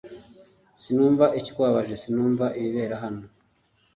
Sinumva ikikubabaje Sinumva ibibera hano